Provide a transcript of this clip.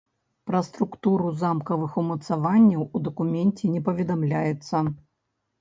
Пра структуру замкавых умацаванняў у дакуменце не паведамляецца.